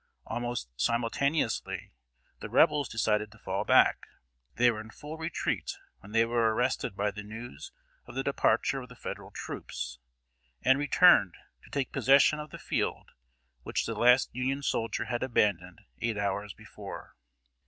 Almost simultaneously, the Rebels decided to fall back. They were in full retreat when they were arrested by the news of the departure of the Federal troops, and returned to take possession of the field which the last Union soldier had abandoned eight hours before.